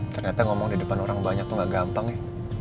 ternyata ngomong di depan orang banyak tuh gak gampang ya